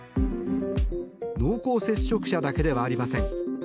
濃厚接触者だけではありません。